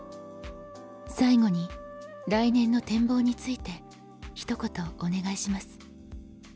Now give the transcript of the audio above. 最後に来年の展望についてひと言お願いします。